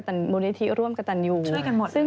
ทีมนี้ค่ะเป็นทีมของ